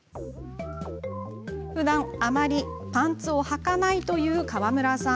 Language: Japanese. ふだん、あまりパンツをはかないという川村さん。